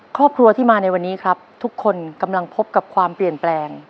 ครอบครัวที่มาในวันนี้ครับทุกคนกำลังพบกับความเปลี่ยนแปลง